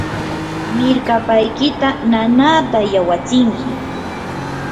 mirkapaykita nanaata yawatsinki.